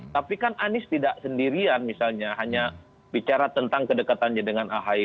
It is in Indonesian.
tapi kan anies tidak sendirian misalnya hanya bicara tentang kedekatannya dengan ahy